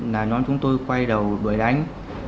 là nhóm chúng tôi quay đầu đuổi đánh